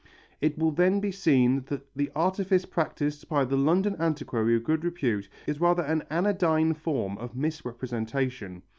It will then be seen that the artifice practised by the London antiquary of good repute is rather an anodyne form of misrepresentation.